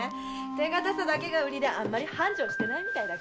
手堅さだけが売りであんま繁盛してないみたいだし。